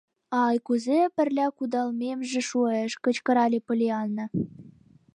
— Ай, кузе пырля кудалмемже шуэш! — кычкырале Поллианна.